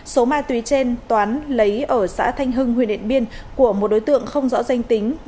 số ma túy trên toán lấy ở xã thanh hưng huyện điện biên của một đối tượng không rõ danh tính